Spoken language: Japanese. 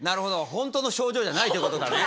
ほんとの症状じゃないということだね。